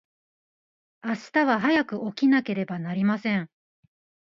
明日は早く起きなければなりません。